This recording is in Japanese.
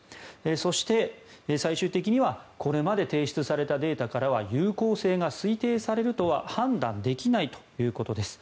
そして、最終的にはこれまで提出されたデータからは有効性が推定されるとは判断できないということです。